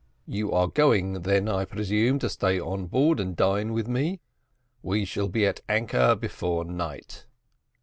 You are going then, I presume, to stay on board and dine with me: we shall be at anchor before night."